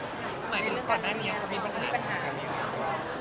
หมายถึงตอนนี้เขามีปัญหามั้ยครับ